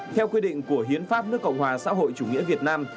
theo quy định của hiến pháp nước cộng hòa xã hội chủ nghĩa việt nam